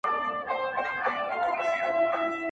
هلک چیغه کړه پر مځکه باندي پلن سو،